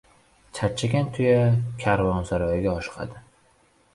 • Charchagan tuya karvonsaroyga oshiqadi.